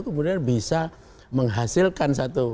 kemudian bisa menghasilkan satu